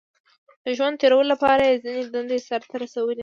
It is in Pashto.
• د ژوند تېرولو لپاره یې ځینې دندې سر ته رسولې.